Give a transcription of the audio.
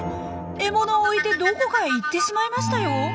獲物を置いてどこかへ行ってしまいましたよ。